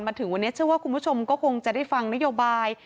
มาถึงวันนี้เชื่อว่าคุณผู้ชมก็คงจะได้ฟังนโยบาย